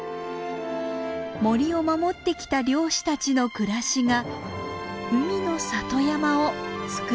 森を守ってきた漁師たちの暮らしが海の里山をつくりだしています。